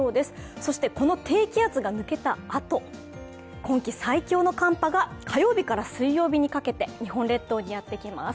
そしてこの低気圧が抜けたあと、今季最強の寒波が火曜日から水曜日にかけて、日本列島にやって来ます。